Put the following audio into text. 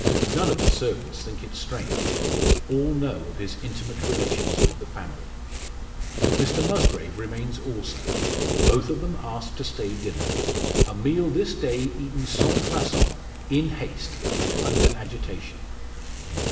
None of the servants think it strange; all know of his intimate relations with the family. Mr Musgrave remains also; both of them asked to stay dinner a meal this day eaten sans facon, in haste, and under agitation.